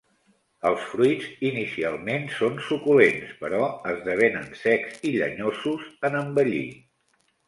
Els fruits inicialment són suculents però esdevenen secs i llenyosos en envellir.